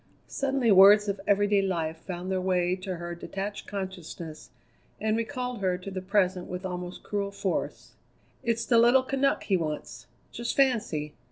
Suddenly words of everyday life found their way to her detached consciousness and recalled her to the present with almost cruel force. "It's the little Canuck he wants! Just fancy!